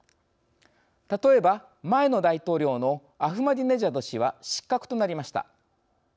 例えば、前の大統領のアフマディネジャド氏は失格となりました。